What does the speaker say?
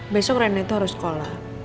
besok randa itu harus sekolah